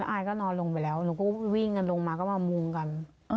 อายก็นอนลงไปแล้วหนูก็วิ่งกันลงมาก็มามุงกัน